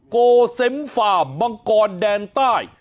โกเซมฟาร์มมังกรแดนใต้